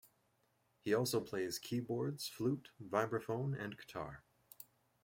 He also plays keyboards, flute, vibraphone and guitar.